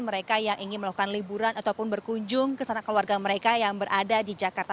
mereka yang ingin melakukan liburan ataupun berkunjung ke sana keluarga mereka yang berada di jakarta